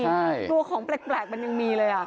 ใช่กลัวของแปลกแปลกมันยังมีเลยอ่ะ